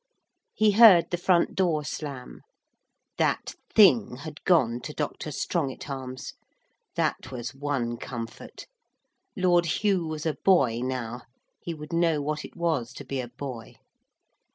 He heard the front door slam. That thing had gone to Dr. Strongitharm's. That was one comfort. Lord Hugh was a boy now; he would know what it was to be a boy.